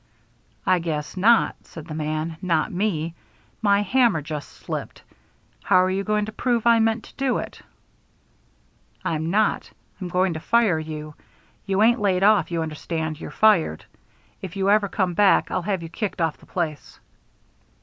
"I guess not," said the man. "Not me. My hammer just slipped. How're you going to prove I meant to do it?" "I'm not. I'm going to fire you. You ain't laid off, you understand; you're fired. If you ever come back, I'll have you kicked off the place."